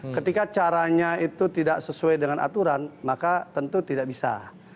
ketika caranya itu tidak sesuai dengan aturan maka tentu tidak bisa